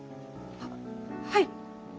はっはい。